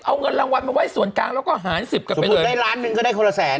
เอาเงินรางวัลมาไว้ส่วนกลางแล้วก็หารสิบกลับไปได้ล้านหนึ่งก็ได้คนละแสน